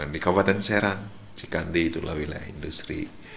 di kabupaten serang cikande itulah wilayah industri